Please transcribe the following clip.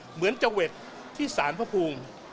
เหมือนจะเว็ดที่สารพระภูมิ